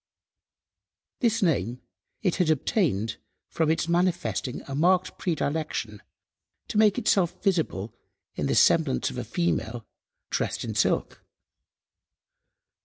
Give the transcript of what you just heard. This name it had obtained from its manifesting a marked predilection to make itself visible in the semblance of a female dressed in silk.